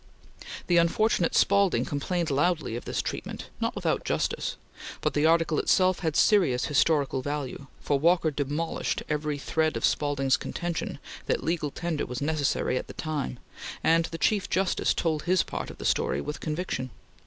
The unfortunate Spaulding complained loudly of this treatment, not without justice, but the article itself had serious historical value, for Walker demolished every shred of Spaulding's contention that legal tender was necessary at the time; and the Chief Justice told his part of the story with conviction.